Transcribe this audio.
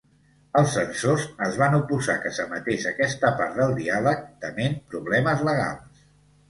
Els censors es van oposar que s'emetés aquesta part del diàleg, tement problemes legals.